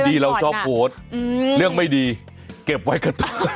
ที่เราชอบโพสต์เรื่องไม่ดีเก็บไว้กระทะ